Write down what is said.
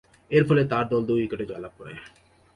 এরফলে তার দল দুই উইকেটে জয়লাভ করে।